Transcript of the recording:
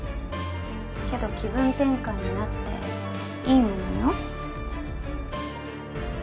けど気分転換になっていいものよ。